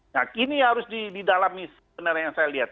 nah kini harus didalami sebenarnya yang saya lihat